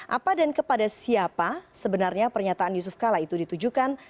apa dan kepada siapa sebenarnya pernyataan yusuf kala itu ditujukan